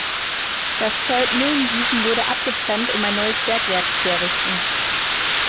Das Feld Müllensiefen wurde abgetrennt, um ein neues Bergwerk zu errichten.